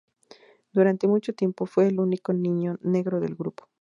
Durante mucho tiempo fue el único niño negro del grupo.